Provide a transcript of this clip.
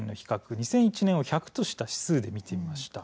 ２００１年を１００とした指数で見てみます。